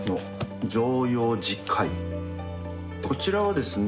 こちらはですね